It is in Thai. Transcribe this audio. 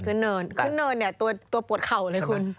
ขึ้นเนินตัวปวดเข่าเลยคุณ